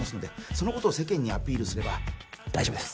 そのことを世間にアピールすれば大丈夫です